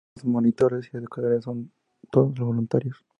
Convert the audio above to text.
Los monitores y educadores son todos voluntarios.